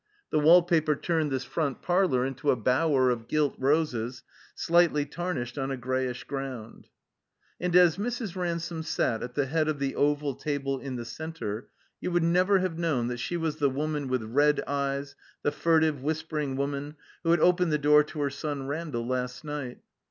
The wall paper turned this front parlor into a bower of gilt roses (slightly tarnished on a grayish groimd). And as Mrs. Ransome sat at the head of the oval table in the center you would never have known that she was the woman with red eyes, the furtive, whispering woman who had opened the door to her son Randall last night.